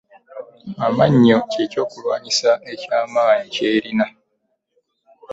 Amannyo ky'ekyokulwanyisa eky'amanyi ky'erina .